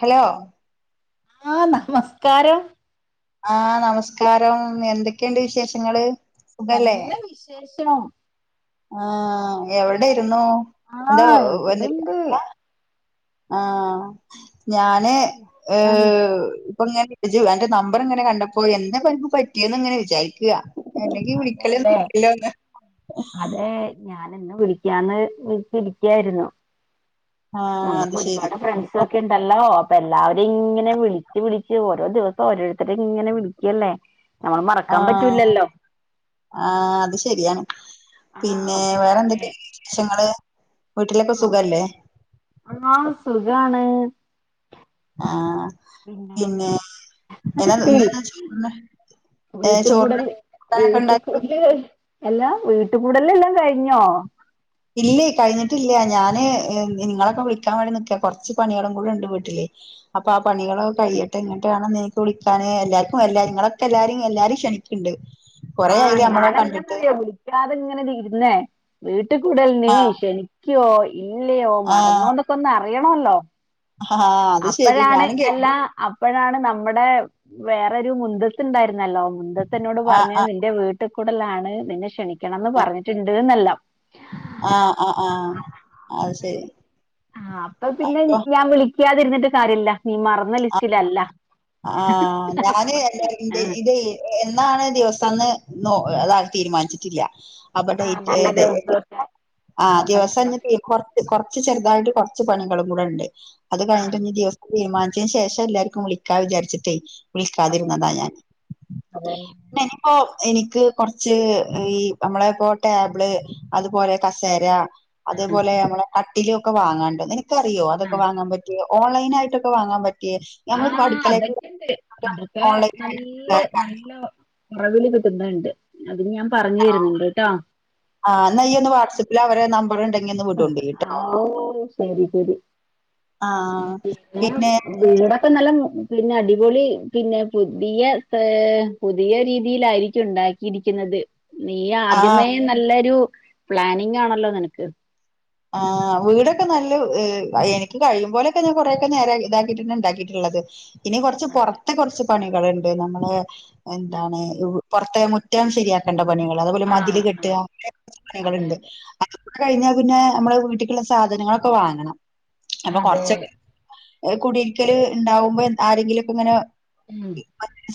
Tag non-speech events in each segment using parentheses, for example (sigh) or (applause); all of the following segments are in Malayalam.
ഹലോ ആ നമസ്കാരം ആ നമസ്കാരം എന്തൊക്കെയുണ്ട് വിശേഷങ്ങള് സുഖല്ലേ നല്ല വിശേഷം ആഹ് എവിടെ എന്താണ് ഇരുന്നു ആ എന്താ എവിടെണ്ട് ആ ഞാന് ഏ അപ്പങ്ങനെ ഇജു അന്റെ നമ്പറിങ്ങനെ കണ്ടപ്പോ എന്തേപ്പ അനക്ക് പറ്റിയ എന്ന് എങ്ങനെ വിചാരിക്കുക അല്ലെങ്കി അതെല്ലേ വിളിക്കലൊന്നും ഇല്ലല്ലോന്ന് ഇന്ന് വിളിക്കാന്ന് വിചാരച്ചിരിക്കായിരുന്നു ആഹ് നമുക്ക് അത് ശരി ഒരുപാട് ഫ്രണ്ട്സ് ഒക്കെ ഉണ്ടല്ലോ അപ്പ എല്ലാവരും ഇങ്ങനെ വിളിച്ച് വിളിച്ച് ഓരോ ദിവസം ഓരോരുത്തര ഇങ്ങനെ വിളിക്കല്ലേ നമ്മൾ മറക്കാൻ പറ്റൂല്ലല്ലോ ആ അത് ശരിയാണ് പിന്നെ ആഹ് പിന്നെ വേറെന്തൊക്കെണ്ട് വിശേഷങ്ങള് വീട്ടിലൊക്കെ ആഹ് സുഖല്ലേ ആഹ് സുഖാണ് ആഹ് എന്നാ പിന്നെ എന്താ ചോറിന് ഏഹ് വീട്ട് ചോറിന് കൂടല് കൂട്ടാനൊക്കെ വീട്ട് ഉണ്ടാക്കി കൂടല് എല്ലാ വീട്ട് കൂടല് എല്ലാം കഴിഞ്ഞോ ഇല്ലേ കഴിഞ്ഞിട്ടില്ല ഞാൻ ഞാന് നിങ്ങളൊക്കെ വിളിക്കാൻ വേണ്ടി നിക്ക കുറച്ച് പണികളും കൂടെ ഉണ്ട് വീട്ടില് അപ്പൊ ആ അത് പണികളൊക്കെ ശരി കഴിയട്ടെ എന്നിട്ട് വേണം നിങ്ങളൊക്കെ വിളിക്കാൻ അതാണ് എല്ലാർക്കും എല്ലാരും ഇങ്ങളൊക്കെ എല്ലാരും എല്ലാരെ ക്ഷണിക്കിണ്ട് ആ ഞനെന്താന്നറിയോ വിളിക്കാതെ ഇങ്ങനെ ഇരുന്നേ വീട്ട- വീട്ട കൂടലിന് ആഹ് ക്ഷണിക്കുവോ ഇല്ലയോ ആഹ് മറന്നോ എന്നൊക്കെ ഒന്ന് അറിയണല്ലോ ആഹ് അത് ശരി അപ്പോഴാണ് ഞാനും എല്ലാ കരുതി അപ്പോഴാണ് നമ്മുടെ വേറൊരു മുന്തസ്സ് ഉണ്ടായിരുന്നല്ലോ മുന്തസ്സെനോട് ആഹ് പറഞ്ഞ ആഹ് നിന്റെ വീട്ട വീട്ടക്കൂടലാണ് നിന്നെ ക്ഷണിക്കണം എന്ന് പറഞ്ഞിട്ടുണ്ട് എന്നല്ലാം ആ ആ ആ അ ശരി അപ്പ ക്ഷണിക്കാതിരുന്നിട്ട് കാര്യമില്ല നീ മറന്ന ലിസ്റ്റിലല്ല ആ ഞാന് എൻ്റെ ആഹ് ഇത് എന്നാണ് ദിവസം ദിവസം എന്ന് തീരുമാനിച്ചിട്ടില്ല അപ്പൊ ആഹ് സെയ്റ്റ് നല്ല ഏത്- ദിവസൊക്കെ ആ ദിവസം നോക്കണല്ലോ കുറച്ച് കുറച്ച് ചെറുതായിട്ട് കുറച്ച് പണികളും കൂടെ ഉണ്ട് അത് ആഹ് കഴിഞ്ഞിട്ട് ഇനി ദിവസം തീരുമാനിച്ചതിനന് ശേഷം എല്ലാർക്കും വിളിക്കാ വിചാരിച്ചിട്ടേ അതെ വിളിക്കാതിരുന്നതാ ഞാൻ അതെ പിന്നെ ഇനിപ്പോ എനിക്ക് കുറച്ച് ഈ നമ്മള ഇപ്പോ ടേബിള് അതുപോലെ കസേര ആഹ് അതേപോലെ നമ്മളെ കട്ടില ഒക്കെ വാങ്ങാണ്ട് നിനക്ക്റിയോ ആഹ് അതൊക്കെ വാങ്ങാൻ പറ്റിയ ഓൺലൈനായിട്ടൊക്കൊ വാങ്ങാൻ പറ്റും ആഹ് അതൊക്കെണ്ട് അതൊക്കെ ഓൺലൈൻ ആയിട്ട് നല്ല ഉണ്ടാക്കാൻ? നല്ല കുറവില് കിട്ടുന്നുണ്ട് അത് ഞാൻ പറഞ്ഞു ആണോ തരുന്നുണ്ട് ട്ടോ. ആഹ് എന്നാൽ ഇയ്യ് ഒന്ന് വാട്സ്ആപ്പിൽ അവരെ നമ്പർ ഇണ്ടെങ്കി ഓഹ് ശരി ശരി ആ പിന്നെ വീടൊക്കെ നല്ല പിന്നെ അടിപൊളി പിന്നെ പുതിയ പ് പുതിയ രീതിയിലായിരിക്കും ഉണ്ടാക്കിയിരിക്കുന്നത് ന്നത് നീ ആ ആദ്യമേ നല്ലൊരു പ്ലാനിങ് ആണല്ലോ നിനക്ക് ആഹ് വീടൊക്കെ നല്ല എനിക്ക് കഴിയുമ്പോലൊക്കെ ഞാൻ കൊറെയൊക്കെ നേരെ ഇതാക്കിട്ടെ ഉണ്ടാക്കിയിട്ടുള്ളു ഇനി കുറച്ച് അതെ പുറത്തെ കുറച്ച് പണികളുണ്ട് നമ്മളെ എന്താണ് പുറത്തെ മുറ്റം ശരിയാക്കണ്ട പണികൾ അത്പോലെ ആ മതില് ആ കെട്ടുക കുറച്ച് അതെ പണികളുണ്ട് അതെ അത് കൂടെ കഴിഞ്ഞ പിന്നെ നമ്മള് വീട്ടിക്കുള്ള സാധനങ്ങളൊക്കെ വാങ്ങണം അപ്പൊ അതെ കൊറച്ചൊക്കെ കുടീരിക്കല് ഉണ്ടാകുമ്പോ ആരെങ്കിലും ഇക്ക ഇങ്ങനെ മ്മ്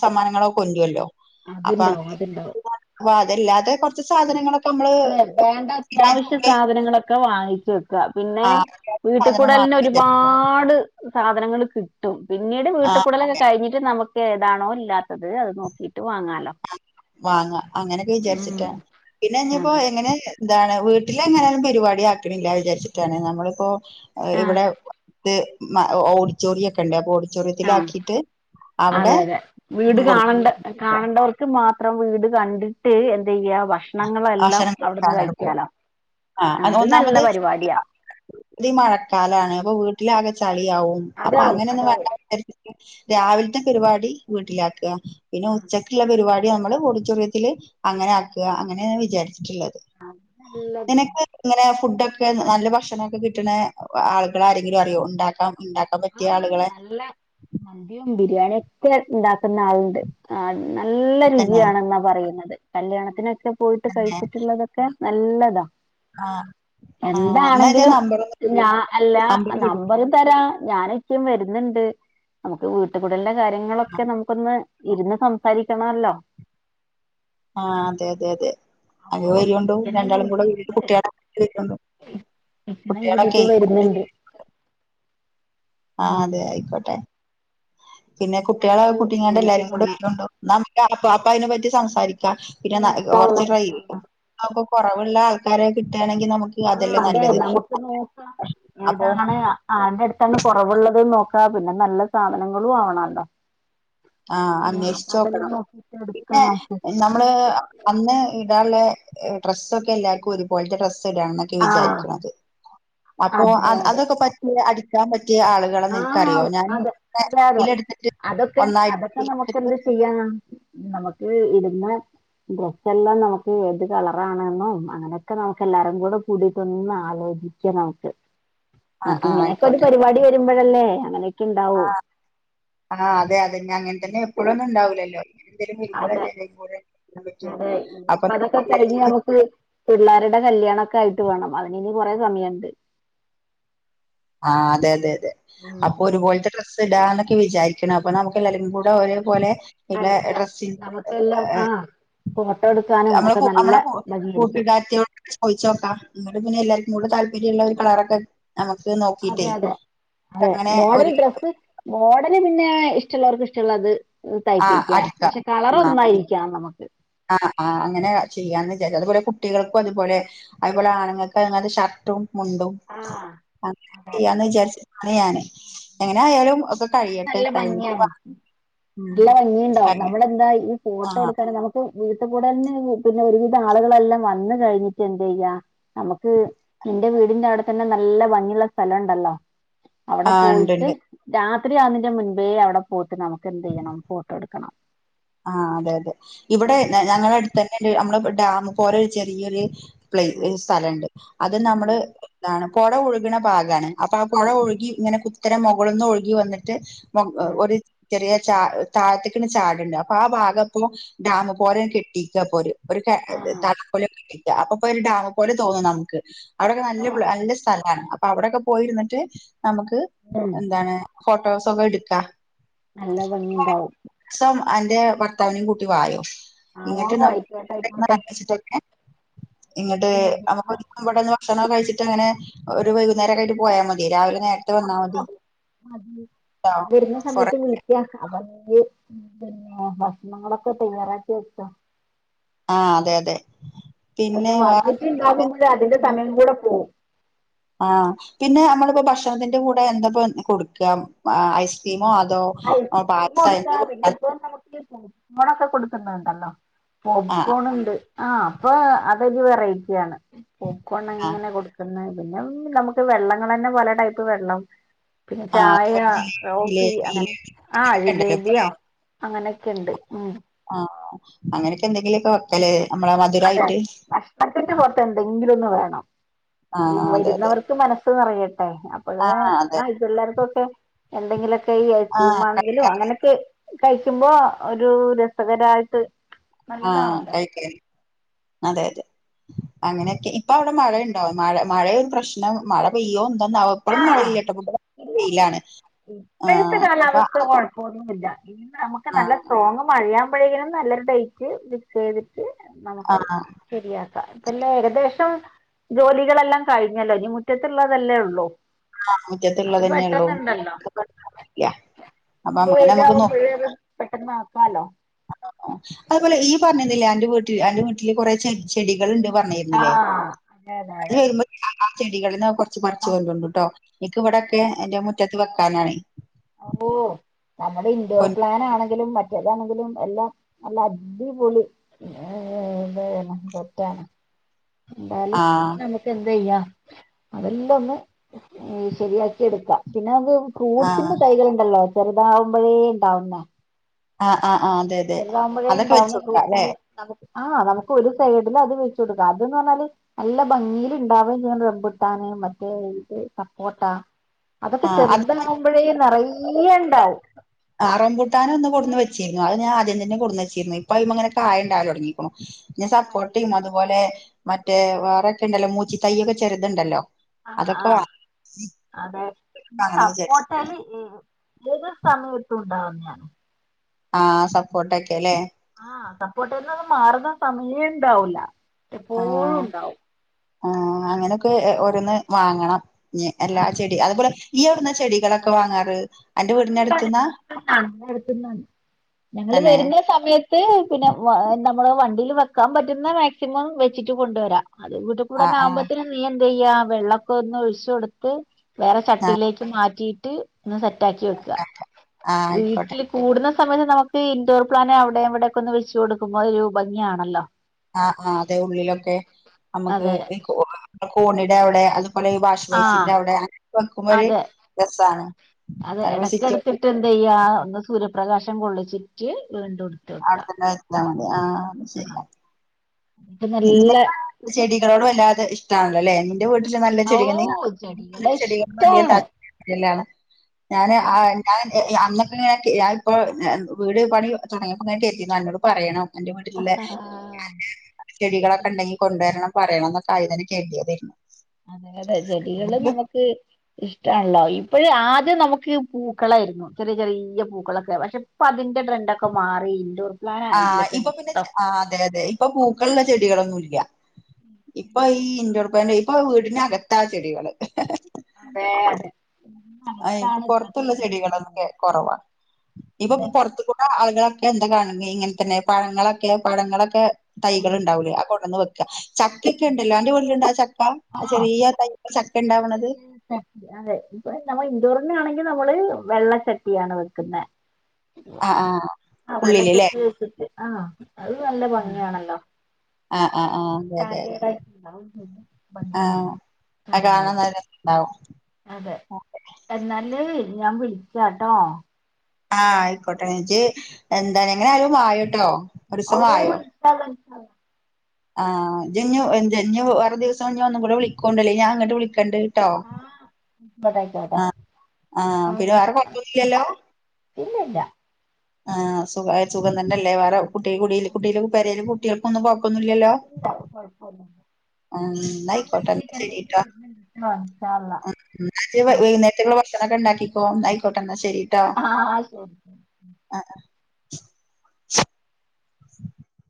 സമ്മാനങ്ങളൊക്കെ കൊണ്ടുല്ലോ അത്ണ്ടാവും അതുണ്ടാവും അപ്പൊ അതല്ലാതെ കുറച്ച് സാധനങ്ങളൊക്കെ നമ്മള് അതെ വേണ്ട അത്യാവശ്യ സ്ഥിരായിട്ട് സാധനങ്ങളൊക്കെ വാ ങ്ങിച്ചു വെക്കുക പിന്നെ ആ വീട്ടിൽ സാധനം വാങ്ങാൻ കൂടലിന് വിചാരിക്കും ഒരുപാട് സാധനങ്ങൾ കിട്ടും പിന്നീട് ആ വീട്ടിൽ കൂടലൊക്കെ കഴിഞ്ഞിട്ട് നമുക്ക് ഏതാണോ ഇല്ലാത്തത് അത് നോക്കിട്ട് വാങ്ങാലോ വാങ്ങാ അങ്ങനെയൊക്കെ ഉം വിചാരിച്ചിട്ടാ പിന്നെ ഇനിപ്പോ അതെ എങ്ങനെ എന്താണ് വീട്ടില് എങ്ങനെലും പരിപാടി ആക്കണില്ല വിചാരിച്ചിട്ടാണ് നമ്മളിപ്പോ ആ ഇവിടെ അടുത്ത് ഓഡിറ്റോറിയം ഒക്കെ ഉണ്ട് അപ്പൊ ഓഡിറ്റോ ആഹ് അതെ അതെ വീട് കൊടുക്ക കാണണ്ട കാണണ്ടവർക്ക് മാത്രം മാത്രം വീട് കണ്ടിട്ട് എന്ത് ചെയ്യാം ഭക്ഷണങ്ങളെല്ലാം ആശനം കൊടുക്ക അവിടുന്ന് അങ്ങനെ പോവാ കഴിക്കാലോ അത് നല്ല പരിപാടിയാ ഇത് ഈ മഴക്കാലമാണ് അപ്പൊ വീട്ടിലാകെ ചെളിയാവും അപ്പൊ അതാവും അങ്ങനെ ഒന്നും വേണ്ട അതാവും വിചാരിച്ചിട്ട് രാവിലത്തെ പരിപാടി വീട്ടിലാക്കുക പിന്നെ ഉച്ചക്കുള്ള പരിപാടി നമ്മള് ഓഡിറ്റോറിയത്തിൽ അങ്ങനെ ആക്കുക അങ്ങനെ വിചാരിച്ചി ട്ടുള്ളത് നല്ലത് നിനക്ക് ഇങ്ങനെ ഫുഡൊക്കെ നല്ല ഭക്ഷണമൊക്കെ കിട്ടണ ആളുകൾ ആരെങ്കിലും അറിയോ ഉണ്ടാക്കാൻ ഉണ്ടാക്കാൻ പറ്റിയ ആളുകളെ ബിരിയാണി ഒക്കെ ഉണ്ടാക്കുന്ന ആളുണ്ട് ആഹ് നല്ല തന്നെ രുചിയണെന്നാ പറയുന്നത് കല്യാണത്തിനൊക്കെ പോയിട്ട് കഴിച്ചിട്ടുള്ളതൊക്കെ നല്ലതാ ആഹ് ആഹ് എന്നാ ഇജ്ജാ എന്താണെങ്കിലും നമ്പറൊന്ന് ഞാ വിടേണ്ടി. അല്ല നമ്പർ വിടേണ്ടി. നമ്പറും തരാ ഞാനും ഇച്ചും വരുന്നുണ്ട് നമുക്ക് വീട്ടിൽ കൂടലിൻ്റെ കാര്യങ്ങളൊക്കെ നമുക്കൊന്ന് ഇരുന്ന് സംസാരിക്കണല്ലോ ആഹ് അതെ അതെ അതെ അയ്ന് വരുണ്ടോ ഇക്കനേം രണ്ടാളും കൂടെ വീട്ടിൽ കൂട്ടീട്ട് കുട്ടികളെ ആക്കീട്ട് വരുണ്ടോ ഇക്കനേം കൂട്ടീട്ട് കുട്ടികളൊക്കെ കുട്ടി വരുന്നുണ്ട് ആഹ് ഉം അതെ ആയിക്കോട്ടെ പിന്നെ കുട്ടികളെ നമുക്ക് കൂട്ടി ഇങ്ങാട് നേരിട്ട് എല്ലാരും കൂടെ കാണാം വരുന്നുണ്ടോ എന്നാ നമ്മക്ക് അപ്പ അതിനെ പറ്റി സംസാരിക്ക ക്ക പിന്നെ ന ഇൻഷാ അള്ളാ കുറച്ചൊരു ഇൻഷാ അള്ളാ പൈസ കുറവുള്ള ആൾക്കാരെ കിട്ടാണെ ആഹ് അതെ നമുക്ക് നോക്കാം അപ്പൊ ഏതാണ് ആരുടെ എടുത്താണ് കുറവുള്ളത് നോക്കാ പിന്നെ നല്ല സാധനങ്ങളും ആവണല്ലോ ആഹ് അപ്പൊ അന്വേഷിച്ച് അതെല്ലാം നോക്കണം നോക്കിട്ട് എടുക്കാം പിന്നെ നമുക്ക് നമ്മള് അന്ന് ഇടാനുള്ള ഡ്രസ്സ് ഒക്കെ എല്ലാർക്കും ഒരു പോലത്തെ ഡ്രസ്സ് ക്കെ ഇടാന്ന് ആഹ് വിചാരിക്കുന്നത് അപ്പോ അതെ അത് അതെ അതൊക്കെ പറ്റിയ അടിക്കാൻ പറ്റിയെ പറ്റിയ ആളുകളെ നിനക്കറിയോ ആഹ് ഞാൻ അതെ അതെ അതെ ഇതിൽ എടുത്തിട്ട് അതൊക്കെ ഒന്നായിട്ട് അതൊക്കെ നമുക്ക് എന്ത് ഇതിലെടുത്തിട്ട് ചെയ്യാം നമുക്ക് ഇടിന്നേ ഡ്രസ്സല്ലാം നമുക്ക് ഏത് കളറാണെന്നും അങ്ങനൊക്കെ നമുക്ക് എല്ലാരും കൂടെ കൂടിയിട്ട് ഒന്ന് ആലോചി നമ ആ (unintelligible) ആ ഇങ്ങനെയൊക്കെ ഒരു പരിപാടി വരുമ്പോഴല്ലേ അങ്ങനെ ആ ആ അതെ അതെ അങ്ങനെ തന്നെ എപ്പോഴൊ ഒന്നും ഉണ്ടാവൂലല്ലോ എ അതെ നിമ്മല്ലല്ല (unintelligible) അതെ ഇനിയിപ്പ അതൊക്കെ കഴിഞ്ഞ് നമുക്ക് പിള്ളാരുടെ കല്യാണ ആയിട്ട് വേണം അതി കൊറെ സമയുണ്ട് ആഹ അതെ അതെ അതെ അപ്പൊ ഒരുപോലത്തെ ഡ്രസ്സ് ഇടാന്നൊക്കെ വിചാരിക്ക ണം അപ്പൊ നമുക്ക് എല്ലാരും കൂടെ ഒരെപോലെ നല്ല അല്ല ഡ്രസ്സി നമുക്കെല്ലാം ആഹ് ഫോട്ടോ എടുക്കാനും നമ്മള് ഒക്കെ നല്ല നമ്മള ഭംഗിയായിരിക്കും കൂട്ടുകാരത്തിയോട് ചോയിച്ചോക്കാം നിങ്ങടെ പിന്നെ എല്ലാവർക്കും കൂടെ താല്പര്യമുള്ള ഒരു കളറൊക്കെ നമ്മ അതെ അതെ അതെ ഒരു മോഡേൺ ഡ്രസ്സ് മോഡൽ പിന്നെ ഇഷ ഇഷ്ടമുള്ളവർക്ക് ഇഷ്ടമുള്ളത് ആഹ് തയ്പ്പിക്കാം പക്ഷെ കളർ ഒന്നായിരിക്കാം നമുക്ക് ആണ് ആ അങ്ങനെ ചെയ്യാന്ന് വിചാരിച്ചു അതുപോലെ കുട്ടികൾക്കും അതുപോലെ അതുപോലെ ആണുങ്ങൾക്ക് അങ്ങത്തെ ഷർട്ടും മുണ്ടും ആഹ് അങ്ങന ചെയ്യാന്ന് വിചാരിച്ചാണ് ഞാന് എങ്ങനെ ആയാലും അത് കഴിയട്ടേ നല്ല ഭംഗിയാണ് നല്ല ഭംഗിയുണ്ടാവും നമ്മളെന്താ ഈ ഫോട്ടോ ആഹ് എടുക്കാൻ നമുക്ക് (unintelligible) കൂടന്നെ പിന്നെ ഒരുവിധ ആളുകളെല്ലാം വന്ന കഴിഞ്ഞിട്ട് എന്ത ചെയ്യാ നമുക്ക് എന്റെ വീടിന്റെ അവിടെ തന്നെ നല്ല ഭംഗിയുള്ള സ്ഥലമുണ്ടല്ലോ അവിടെ ആഹ് ഇണ്ട് ഇണ്ട് പോയിട്ട് ഒത്തിരിയാവുന്നതിന്റെ മുൻപേ അവിടെ പോയിട്ട് നമുക്ക് എന്ത് ചെയ്യണം ഫോട്ടോ എടുക്കണം ആ അതെ അതെ ഇവിടെ ഫോട്ടോ എടുക്കണം ഞങ്ങളുടെ അടുത്ത് തന്നെ നമ്മള് ഡാമ് പോലെ ചെറിയ ഒരു പ്ലേ ഉം, സ്ഥലമുണ്ട് അത് ഉം, നമ്മള് എന്താണ് പുഴ ഒഴുകണ ഭാഗമാണ് അപ്പൊ ആ പുഴ ഒഴുകി ഇങ്ങനെ കുത്തനെ മുകളിന്ന് ഒഴുകി വന്നിട്ട് ഒരു ചെറിയ ചാ താഴത്തക്ക് ചാടുണ്ട് അപ്പൊ ആ ഭാഗത്തും ഡാമ് പോലെ കെട്ടിക്ക പോ ഒരു തല പോല കെട്ടി അപ്പൊ ഇപ്പൊ ഒരു ഡാമ് പോലെതോന്നും നമുക്ക് അവിടൊക്കെ നല്ല നല്ല സ്ഥലമാണ് അപ്പൊ അവിടെക്കെ പോയിരുന്നിട്ട് നമുക്ക് ഉം. എന്താണ് ഫോട്ടോസൊക്കെ എടുക്കാ നല്ല ഭംഗിണ്ടാവും എന്റെ ഭർത്താവിനും കൂട്ടി വായോ ആ ആയിക്കോട്ടെ ആയിക്കോട്ടെ ഇങ്ങിട്ട്ച്ചിട്ടൊക്കെ ഇവിടെ ഇങ്ങിട്ട് പിന്നെ വരുന്ന- നമ്മക്ക്ൊരിക്കട (unintelligible) ഭക്ഷണം കഴിച്ചിട്ട് അങ്ങനെ ഒരു വൈകുന്നേരമൊക്കെ ആയിട്ട് പോയാ മതി രാവിലെ നേരത്തെ വന്നാ മതി ഞാൻ ട്ടോ വരുന്ന കൊറെ സമയത്ത് വിളിക്ക അപ്പ പിന്നെ ഭക്ഷണങ്ങളൊക്കെ തയ്യാറാക്കി വെച്ചോ ആഹ അതെ അതെ പിന്നെ വേറെ വന്നിട്ടുണ്ടാകുമ്പോഴ അതിന്റെ വിശേഷങ്ങൾ സമയം കൂടെ പോകും ആഹ് പിന്നെ നമ്മളിപ്പോ ഭക്ഷണത്തിന്റെ കൂടെ എന്താപ്പൊ കൊടുക്ക അ ഐസ്ക്രീമോ അതോ ഐസ്ക്രീം പായസ എന്തൊ (unintelligible) ണൊക്കെ കൊടുക്കുന്നുണ്ടല്ലോ ആഹ് പോപ്കോണുണ്ട് ആ അപ്പൊ അതൊരു വെറൈറ്റി ആണ് പോപ്കോൺ ആഹ് ഇങ്ങനെ കൊടുക്കുന്നത് പിന്നെ നമുക്ക് വെള്ളങ്ങളന്നെ പല ടൈപ്പ് വെള്ളം പിന്നെ ആഹ് ചായ അതേപോലെ കോഫി ജിലേബി അങ്ങനെ ആഹ് ജിലേബിയൊക്കെ ഉണ്ടല്ലോ ഇപ്പ ജിലേബിയോ അങ്ങനെയൊക്കെ ഉണ്ട് ഉം ആഹ് അങ്ങനെയൊക്കെ എന്തെങ്കിലൊക്കെ വെക്കലേ അതെ നഷ്ടപ്പെട്ട് പോവാത്ത എന്തെങ്കിലും ഒന്ന് വേണം ഈ ആഹ് അതെ അതെ വരുന്നവർക്ക് മനസ് പറയട്ടെ അപ്പള് ആഹ് അതെ ആ ഈ പിള്ളേർക്കൊക്കെ എന്തെങ്കിലൊ ക്കെ ഈ ഐസ്ക്രീം ആഹ് ആണെങ്കിലോ കഴിക്കാൻ അങ്ങനെയൊക്കെ കഴിക്കുമ്പോ ഒരു രസകരായിട്ട് ആഹ് നല്ലതാണല്ലോ കഴിക്കല് അതെ അതെ അങ്ങനെയൊക്കെ ഇപ്പൊ അവിടെ മഴയ്ണ്ടോ മഴ മഴയൊരു പ്രശ്നം മഴ പെയ്യോ (unintelligible) ന്നാവോ ഇപ്പഴന്നും ആഹ് മഴയില്ല ട്ടോ (unintelligible) ഇല്ലല്ല വെയിലാണ് ആ ഇപ്പോഴത്തെ ഇ ഞ്ഞ്പ്പ കാലാവസ്ഥ കുഴപ്പമൊന്നുമില്ല ഇനി നമുക്ക് നല്ല സ്ട്രോങ് മഴയാവുമ്പഴേനും നല്ലൊരു ഡേറ്റ് ഫിക്സ് ചെയ്ത് ട്ട് നമുക്ക് ആഹ് ശരിയാക്കാം ഇപ്പല്ലാം ഏകദേശം ജോലികളെല്ലാം കഴിഞ്ഞല്ലോ ഇനി മുറ്റത്ത്ള്ളതല്ലേ ഒള്ളൂ ആ മുറ്റത്ത്ള്ളതന്നെള്ളൂ ഇപ്പൊ പെയിലാകുമ്പഴ് പെട്ടെന്ന് ആക്കാല്ലോ അതുപോലെ ഈയ് പറഞ്ഞന്നിലേ അന്റെ വീട്ടില് അന്റെ വീട്ടില് കൊറെ ചെട് ചെടി കള്ണ്ട് പറഞ്ഞേര്ന്നിലേ ആഹ് അതെ അതെ അതെ ഇയ്യ് വരുമ്പ (unintelligible) ആ ചെടികള്ന്ന് കൊറച്ച് പറിച്ച് കൊണ്ട്രോണ്ടുട്ടോ നിക്ക് ഇവിടെക്കെ എന്റെ മുറ്റത്ത് വെക്കാനാണേ ഓ നമ്മുടെ ഇൻഡോർ പ്ലാൻ ആണെങ്കിലും മറ്റേതാണെങ്കിലും എല്ലാം നല്ല അടിപൊളി ഏ (unintelligible) ണ് തെറ്റാണ് എന്താലും ആഹ് നമുക്ക് എന്തെയ്യാ അതെല്ലാം ഒന്ന് ശരിയാക്കി എടുക്ക പിന്നെ അത് ഫ്രൂ ആഹ് സിൻ്റെ തൈകളുണ്ടല്ലോ ചെറുതാവുമ്പഴേ ഇണ്ടാവുന്നെ ആഹ് ആഹ് ആഹ് അതെ അതെ ചെറ്താവുമ്പഴേ അതൊക്കെ ഇണ്ടാവുന്ന വെച്ചോടുക്കാം അല്ലെ ഫ്രൂട്‌സില് നമു ആഹ് നമുക്ക് ഒരു സൈഡില് അത് വെച്ചു കൊടുക്കാം അത് ന്ന് പറഞ്ഞാല് നല്ല ഭംഗിയില് ഇണ്ടാവും ചെയ്യ്ണ റംപുട്ടാൻ മറ്റേ ഇത് സപ്പോട്ട അതൊക്കെ ആഹ് ചെറ്താവുമ്പോഴേ നെറയെ അത് ഇണ്ടാവും ച്ചിരുന്നു അത് ഞാൻ ആദ്യം തന്നെ കൊടുന്നച്ചീര്ന്നു ഇപ്പൊ അത്മ്മെങ്ങനെ കായണ്ടാവലൊടങ്ങീക്ക്ണു ഞാൻ ഉണ്ടാവും സപ്പോട്ടിം അതുപോലെ മറ്റേ വേറെൊക്കെ ഉണ്ടല്ലോ മൂച്ചി തയ്യൊക്കെ ചെറുത്ണ്ടല്ലോ ആ അതെ വാങ്ങണം വിചാരിച്ചിട്ടുണ്ട് സപ്പോട്ടേല് (unintelligible) ഏത് സമയത്തും ഉണ്ടാവുന്ന്യാ ആ സപ്പോട്ടെക്കെ ലേ ആ സപ്പോട്ടേന്നൊന്നും മാറുന്ന സമയേ ഇണ്ടാവൂല ആ എപ്പോഴും ഉണ്ടാവും ആ അങ്ങനൊക്കെ ഓരോന്ന് വാങ്ങണം ഇഞ്ഞ് എല്ലാ ചെടി അതുപോലെ ഇയ്യെവിടുന്നാ ചെടികളൊക്കെ വാങ്ങാറ് അന്റെ അത് ഇവ്ടെ വീടിനടുത്തുന്നാ അടുത്ത്ന്നാണ് അടുത്ത്ന്നാണ് ഞങ്ങള് തന്നെ വരുന്ന സമയത്ത് പിന്നെ നമ്മള് വണ്ടീല് വെക്കാൻ പറ്റുന്ന മാക്സിമം വെച്ചിട്ട് കൊണ്ടുവരാം അത് വീട്ട് ആ ആ കൂടലാവുമ്പത്തിന് നീ എ ന്തെയ്യാവെള്ളൊക്കെ ഒന്ന് ഒഴിച്ചു കൊടുത്ത് വേറെ ആ ചട്ടിയിലേക്ക് മാറ്റിയിട്ട് ഒന്ന് സെറ്റ് റ്റാക്കി വെക്ക ആ ആയിക്കോട്ടെ വീട്ടില് കൂടുന്ന സമയത്ത് നമുക്ക് ഇൻഡോർ പ്ലാന് അവിടെവിടെക്കെ ഒന്ന് വെച്ച് കൊടുക്കുമ്പോ ഒരു ഭംഗിയാണല്ലോ ആ ആ അതേ ഉള്ളിലൊക്കെ നമ്മുക്ക് അതെ ഈ കോണിടെ അവിടെ അത് പോലെഈ ഭാഷ് ആഹ് വൈസിന്റെ അവിടെ അങ്ങനൊക്കെ വെക്കുമ്പോ ഒരു രസാണ് അത് കാരണം സിറ്റൗട്ടിൽ എടക്കെടുത്തിട്ട് എന്തയ്യാ ഒന്ന് സൂര്യപ്രകാശം കൊള്ളിച്ചിട്ട് വീണ്ടും എടുത്ത് വെക്ക അവിടെത്തെന്നെ വെച്ചാ മതി ആ ശരിയാ ന്നിട്ട് നല്ല നിനക്ക് ചെടികളോട് വല്ലാതെ ഇഷ്ടാണല്ലോ ലേ എന്റെ വീട്ടില് നല്ല ഓ ചെടിക നീ ചെടികളെ ചെടികൾ ഇഷ്ടാണ് (unintelligible) ഞാൻ ആ ഞാൻ ഏ അന്ന് (unintelligible) ഞാ ഇപ്പൊ വീട് ഏ പണി തുടങ്ങിയപ്പോ ഞാൻ കര്തിയിരുന്നു അന്നോട് പറയണം അന്റെ വീട്ടിലില്ലേ ചെടികളൊക്കെ ഉണ്ടെങ്കി കൊണ്ടുവരണം പറയണം എന്നൊക്കെ ആയതിന് കെര്തിയത്. അതെ അതെ ചെടികള് നമുക്ക് ഇഷ്ടാണല്ലോ ഈ അപ്പൊഴ് ആദ്യം നമുക്ക് പൂക്കളായിരുന്നു ചെറിയ ചെറിയ പൂക്കളൊക്കെ പക്ഷേ ഇപ്പോൾ അതിൻ്റെ ട്രെൻഡൊക്കെ മാറി ഇന്റോ ആ ഇപ്പൊ പിന്നെ ആ അതെ അതെ ഇപ്പൊ പൂക്കളുള്ള ചെടികളൊന്നും ഇല്ല. ഇപ്പൊ ഈ ഇൻഡോർ പ്ലാന്റ് ഇപ്പൊ വീടിനകത്താ ചെടികള്. അതെ അതെ ആ ഇപ്പൊ താണ് ഇപ്പത്തെ പുറത്തുള്ള ചെടികള് ചെടികളൊക്കെ കുറവാ ഇപ്പൊ അതെ പുറത്ത്കൂട അവരുടെ ഒക്കെ എന്താ കാണ്ന്നേ ഇങ്ങൻതന്നെ പഴങ്ങളൊക്കെ പഴങ്ങളൊക്കെ തൈകൾ ആഹ് ഉണ്ടാവൂലെ അ കൊടന്ന് വെ ക്ക. ചക്കഒക്കെ ഇണ്ടല്ലോ അന്റെ വീട്ടിലുണ്ടാ ചക്ക? ആ ആഹ് ചെറിയ തൈ ച (unintelligible) നമ്മൾ ഇൻഡോറന്നെയാണെങ്കിൽ നമ്മള് വെള്ളച്ചട്ടിയാണ് വെക്കുന്നെ ആ ആ ആ വെള്ള ചട്ടി വെച്ചിട്ട്. ആ അത് നല്ല ഭംഗിയാണല്ലോ ആഹ് ആഹ് ആഹ് അതെ അതെ അതെ സ്റ്റാൻഡേർഡ് ആയിട്ടുള്ള ഒരു ആഹ് ഭംഗിയാണ്. അത് കാണാനായിട്ട് കാണൻനല്ല ഇത്ണ്ടാവും. അതെ, എന്നാല് ഞാൻ വിളിക്കാ ട്ടോ ആഹ് ആയിക്കോട്ടെ എന്നിറ്റ് എന്താണ് എങ്ങനെ ആയാലും വയോ ട്ടോ ഓ ഇൻ ഷാ അല്ലാഹ് ഇൻ ഷാ അല്ലാഹ് ആഹ് ഇജ്ഞ്ഞു ഇജ്ജിഞ്ഞു വേറെ ദിവസം ഞ്ഞു ഒന്നും കൂടി വിളിക്കെണ്ടുലെ ണ്ടഞാൻ അങ്ങട്ട് വിളിക്കണ്ട് ട്ടോ ഇൻഷാ അല്ലാഹ് ആ ആയിക്കോട്ടെ ആഹ് ആയിക്കോട്ടെ ആഹ് ആ പിന്നെ വേറെ കൊയപോന്നും ഇല്ലല്ലോ ഇല്ല ഇല്ല ആഹ് സുഖ സുഖംതന്നെല്ലേ വേറെ കുട്ടി കുടിൽ കുടീലും പെരേലും കുട്ടിയാൾക്കൊന്നും കൊ ഇല്ല കുഴപ്പൊന്നും ആ എന്ന ആയിക്കോട്ടെ. എന്നാ ശരി ട്ടോ, വരുന്നുണ്ട് കേട്ടോ ഇൻഷാ അല്ലാഹ് എൻ എന്നാ ഇജ്ജ് വൈ ആ വൈന്നേരത്തേക്കുള്ള ഭക്ഷ ണൊക്കെ ഇണ്ടാക്കിക്കോ ന്ന ആയിക്കോട്ടെ ന്ന ശെരി ആആ ശരി (inaudible)